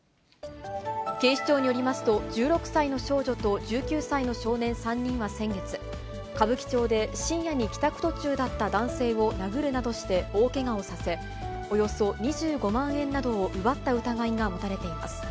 警視庁によりますと、１６歳の少女と１９歳の少年３人は先月、歌舞伎町で深夜に帰宅途中だった男性を殴るなどして大けがをさせ、およそ２５万円などを奪った疑いが持たれています。